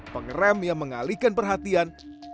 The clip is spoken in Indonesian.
pengerem yang mengalihkan perhatian